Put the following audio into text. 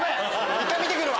一回見て来るわ。